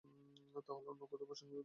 তাহলে অন্য কোনও প্রসঙ্গে যেতে পারব না।